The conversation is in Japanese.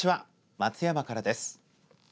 松山からです。